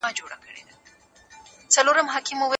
که خاوند يا ميرمن مرتد سي څه کيږي؟